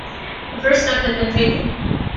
The first step had been taken.